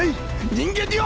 人間には。